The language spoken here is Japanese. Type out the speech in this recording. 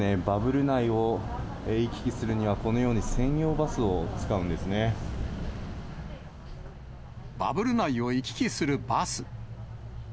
バブル内を行き来するには、このように専用バスを使うんですバブル内を行き来するバス。